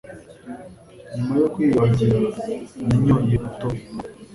Nyuma yo kwiyuhagira, nanyoye umutobe.